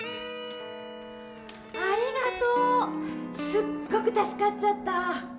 すっごく助かっちゃった。